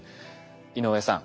井上さん